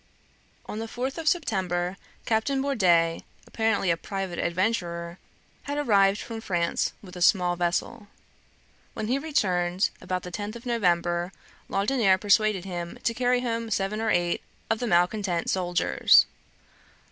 On the fourth of September, Captain Bourdet, apparently a private adventurer, had arrived from France with a small vessel. When he returned, about the tenth of November, Laudonniere persuaded him to carry home seven or eight of the malcontent soldiers.